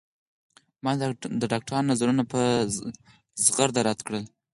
ما د ډاکترانو نظرونه په زغرده رد کړل.